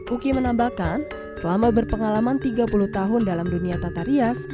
uki menambahkan selama berpengalaman tiga puluh tahun dalam dunia tata rias